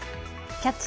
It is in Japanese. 「キャッチ！